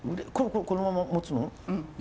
これこのまま持つの？